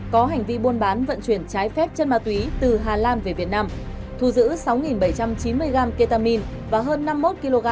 có hành vi buôn bán vận chuyển chai phép chất ma túy từ hà lan về việt nam